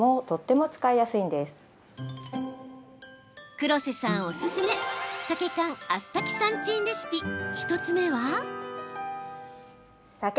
黒瀬さんおすすめサケ缶アスタキサンチンレシピ１つ目は？